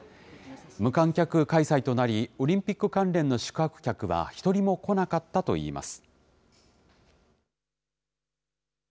無観客開催となり、オリンピック関連の宿泊客は、一人も来なかったといいます。